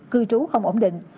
cư trú không ổn định